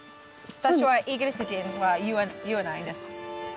私はイギリス人は言わないです。